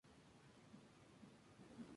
Dicen que solo tenía ojos y boca.